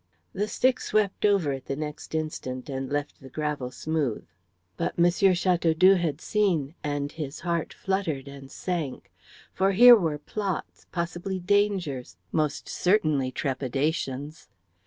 The stick swept over it the next instant and left the gravel smooth. But M. Chateaudoux had seen, and his heart fluttered and sank. For here were plots, possibly dangers, most certainly trepidations.